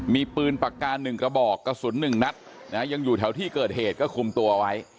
มีปืนปากกา๑กระบอกกระสุน๑นัดยังอยู่แถวที่เกิดเหตุก็คุมตัวไว้